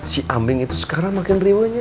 si ambing itu sekarang makin riwahnya